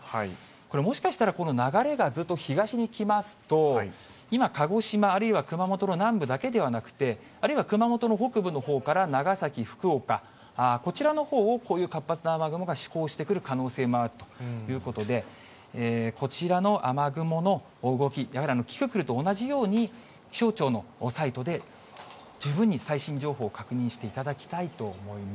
これ、もしかしたらこの流れが東に来ますと、今、鹿児島、あるいは熊本の南部だけではなくて、あるいは熊本の北部のほうから長崎、福岡、こちらのほうを、こういう活発な雨雲が志向してくる可能性があるということで、こちらの雨雲の動き、やはりキキクルと同じように、気象庁のサイトで十分に最新情報を確認していただきたいと思いま